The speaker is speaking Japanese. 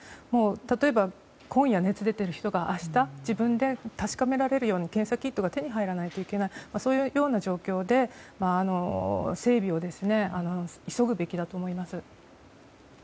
例えば今夜、熱出ている人が明日、自分で確かめられるような検査キットが手に入らないといけないそういうような状況で整備を急ぐべきだと思います。